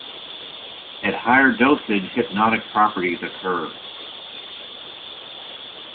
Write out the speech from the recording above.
At higher dosage hypnotic properties occur.